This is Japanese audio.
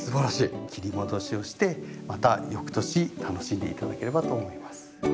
切り戻しをしてまた翌年楽しんで頂ければと思います。